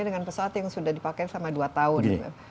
dengan pesawat yang sudah dipakai selama dua tahun